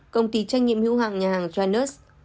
công ty trách nhiệm hưu hạng nhà hàng janus